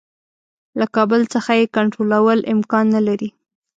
له کابل څخه یې کنټرولول امکان نه لري.